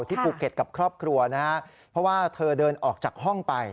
ภูเก็ตกับครอบครัวนะฮะเพราะว่าเธอเดินออกจากห้องไป